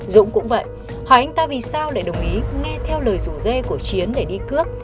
dũng cũng vậy hỏi anh ta vì sao lại đồng ý nghe theo lời rủ dê của chiến để đi cướp